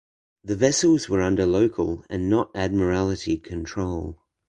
The vessels were under local and not Admiralty control.